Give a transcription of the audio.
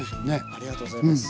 ありがとうございます。